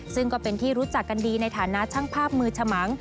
ซึ่งก็เป็นที่รู้จักกันดีในฐานะช่างภาพมือฉมัง